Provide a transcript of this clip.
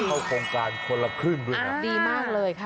เข้าโครงการคนละครึ่งด้วยนะดีมากเลยค่ะ